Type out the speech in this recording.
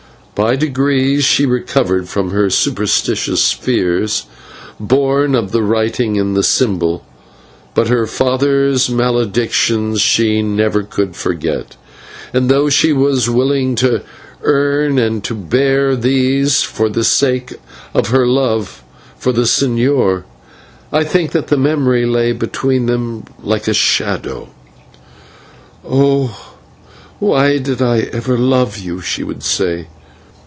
By degrees she recovered from her superstitious fears, born of the writing in the symbol; but her father's maledictions she never could forget, and though she was willing to earn and to bear these for the sake of her love for the señor, I think that their memory lay between them like a shadow. "Oh! why did I ever love you?" she would say.